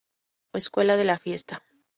Escuela de la fiesta.